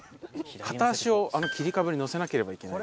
片足をあの切り株に乗せなければいけない。